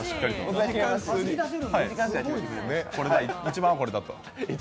１番はこれだと。